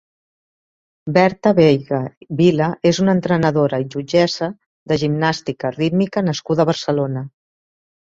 Berta Veiga Vila és una entrenadora i jutgessa de gimnàstica rítmica nascuda a Barcelona.